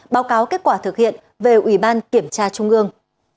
báo cáo kết quả thực hiện về ủy ban kiểm tra trung ương